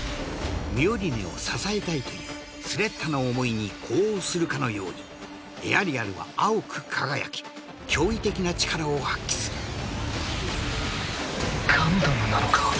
ミオリネを支えたいというスレッタの思いに呼応するかのようにエアリアルは青く輝き驚異的な力を発揮するガンダムなのか？